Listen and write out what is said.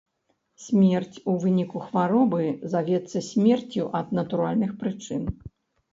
Смерць у выніку хваробы завецца смерцю ад натуральных прычын.